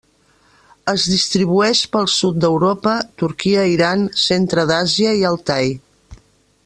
Es distribueix pel sud d'Europa, Turquia, Iran, centre d'Àsia i Altai.